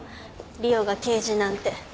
莉緒が刑事なんて。